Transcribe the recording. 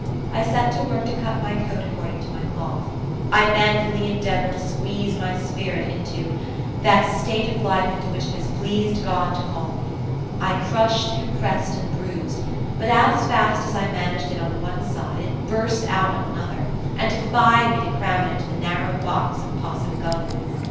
I set to work to cut my coat according to my cloth. I manfully endeavoured to squeeze my spirit into "that state of life into which it has pleased God to call me". I crushed, compressed, and bruised, but as fast as I managed it on one side it burst out on another, and defied me to cram it into the narrow box of Possum Gully.